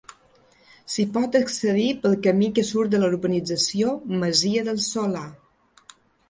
S'hi pot accedir pel camí que surt de la Urbanització Masia del Solà.